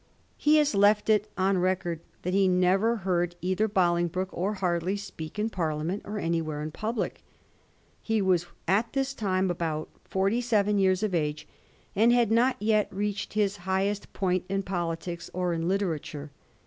He has left it on record that he never heard either Bolingbroke or Harley speak in Parliament or anywhere in public. He was at this time about forty seven years of age, and had not yet reached his highest point in politics or in literature.